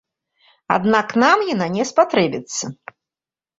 Аднак нам яна не спатрэбіцца.